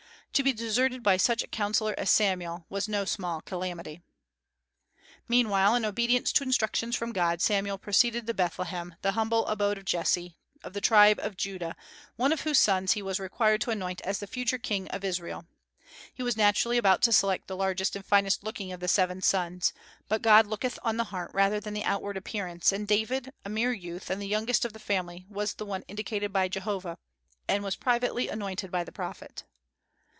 To be deserted by such a counsellor as Samuel, was no small calamity. Meanwhile, in obedience to instructions from God, Samuel proceeded to Bethlehem, to the humble abode of Jesse, of the tribe of Judah, one of whose sons he was required to anoint as the future king of Israel. He naturally was about to select the largest and finest looking of the seven sons; but God looketh on the heart rather than the outward appearance, and David, a mere youth, and the youngest of the family, was the one indicated by Jehovah, and was privately anointed by the prophet.